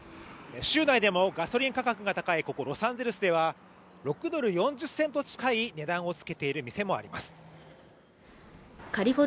州内でもガソリン価格が高いロサンゼルスでは６ドル４０セントを近い値段をつけている店もあります